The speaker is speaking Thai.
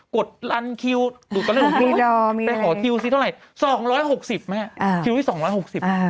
กดรันคิวดูตอนหนึ่งไปหอคิวซิเท่าไหร่๒๖๐ไหมคิวที่๒๖๐